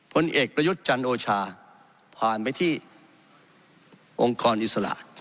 ผลเอกประยุทธ์จันโอชาผ่านไปที่องค์กรอิสระ